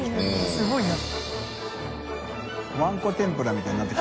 すごいね。